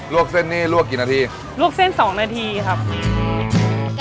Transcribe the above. วกเส้นนี้ลวกกี่นาทีลวกเส้นสองนาทีครับอืม